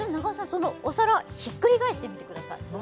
そのお皿ひっくり返してみてください